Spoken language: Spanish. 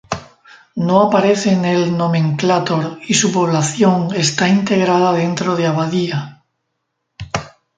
No aparece en el nomenclátor y su población está integrada dentro de Abadía.